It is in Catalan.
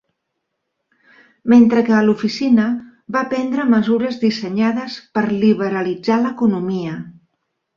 Mentre que a l'oficina va prendre mesures dissenyades per liberalitzar l'economia.